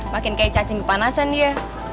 makin kayak cacing kepanasan dia